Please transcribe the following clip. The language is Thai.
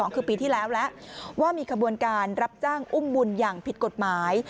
คือปีที่แล้วแล้วว่ามีขบวนการรับจ้างอุ้มบุญอย่างผิดกฎหมาย